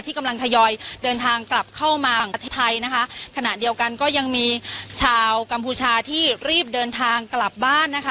กำลังทยอยเดินทางกลับเข้ามาประเทศไทยนะคะขณะเดียวกันก็ยังมีชาวกัมพูชาที่รีบเดินทางกลับบ้านนะคะ